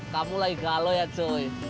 kamu lagi galau ya joy